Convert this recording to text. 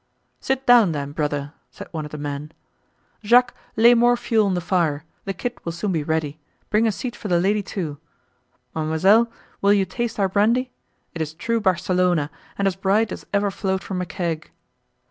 "Sit down then, brother," said one of the men: "Jacques, lay more fuel on the fire, the kid will soon be ready; bring a seat for the lady too. Ma'amselle, will you taste our brandy? it is true Barcelona, and as bright as ever flowed from a keg."